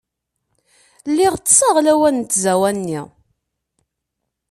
Lliɣ ṭṭseɣ lawan n tzawwa-nni.